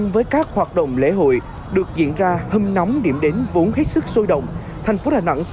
với tổng mức xử phạt lên tới hơn hai mươi tỷ đồng